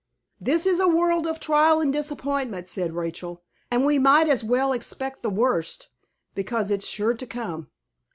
"This is a world of trial and disappointment," said Rachel; "and we might as well expect the worst, because it's sure to come."